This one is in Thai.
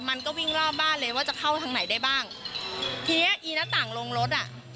มันก็วิ่งรอบบ้านเลยว่าจะเข้าทางไหนได้บ้างทีเนี้ยอีหน้าต่างลงรถอ่ะ